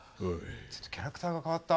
ちょっとキャラクターが変わった。